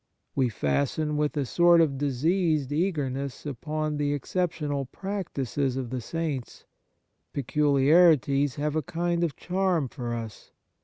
We fasten with a sort of diseased eagerness upon the excep tional practices of the saints. Peculiarities have a kind of charm for us.